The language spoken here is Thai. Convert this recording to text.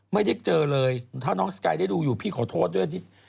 ไม่ได้เจอเลยถ้าน้องสกายได้ดูอยู่พี่ขอโทษด้วยที่